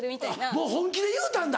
もう本気で言うたんだ。